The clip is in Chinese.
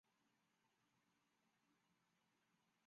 陶弼人。